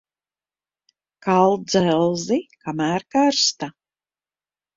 Kal dzelzi, kamēr karsta.